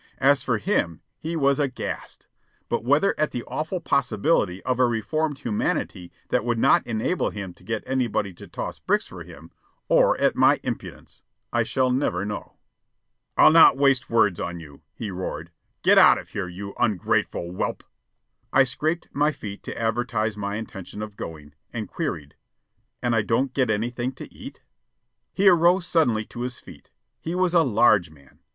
As for him, he was aghast but whether at the awful possibility of a reformed humanity that would not enable him to get anybody to toss bricks for him, or at my impudence, I shall never know. "I'll not waste words on you," he roared. "Get out of here, you ungrateful whelp!" I scraped my feet to advertise my intention of going, and queried: "And I don't get anything to eat?" He arose suddenly to his feet. He was a large man.